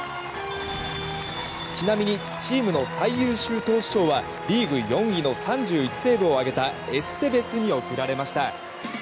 ちなみにチームの最優秀投手賞はリーグ４位の３１セーブを挙げたエステベスに贈られました。